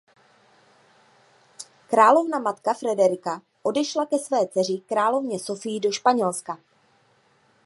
Královna matka Frederika odešla ke své dceři královně Sofii do Španělska.